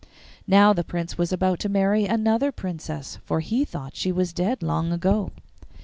Now the Prince was about to marry another princess, for he thought she was dead long ago.